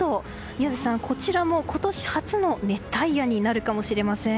宮司さん、こちらも今年初の熱帯夜になるかもしれません。